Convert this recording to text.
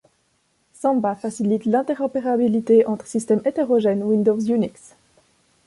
Samba facilite l'interopérabilité entre systèmes hétérogènes Windows-Unix.